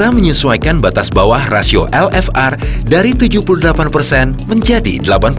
dan menyesuaikan batas bawah rasio lfr dari tujuh puluh delapan menjadi delapan puluh